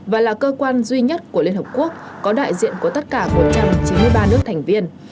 và là cơ quan duy nhất của liên hợp quốc có đại diện của tất cả một trăm chín mươi ba nước thành viên